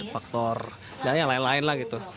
faktor dan yang lain lain lah gitu